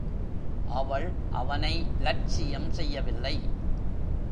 அவள் அவனை லட்சியம் செய்யவில்லை.